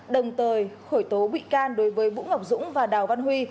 đồng thời khởi tố bị can đối với vũ ngọc dũng và đào văn huy